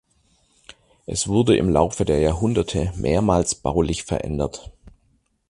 Es wurde im Laufe der Jahrhunderte mehrmals baulich verändert.